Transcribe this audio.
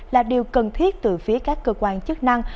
là điều cần thiết từ phía các cơ quan chức năng